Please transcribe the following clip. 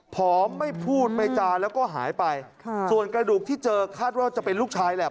ผอมไม่พูดไม่จาแล้วก็หายไปค่ะส่วนกระดูกที่เจอคาดว่าจะเป็นลูกชายแหละ